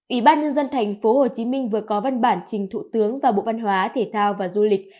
ủy ban nhân dân thành phố hồ chí minh vừa có văn bản trình thủ tướng và bộ văn hóa thể thao và du lịch